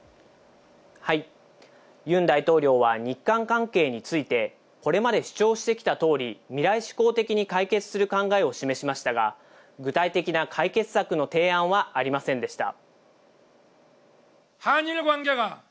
ユン大統領は日韓関係について、これまで主張してきた通り、未来志向的に解決する考えを示しましたが、具体的な解決策の提案はありませんでした。